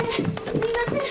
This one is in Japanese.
すいません！